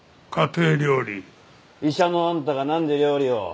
医者のあんたがなんで料理を？